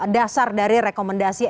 dasar dari rekomendasi